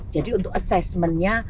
jadi untuk assessmentnya